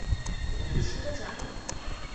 তুমি কি সেটা জানো?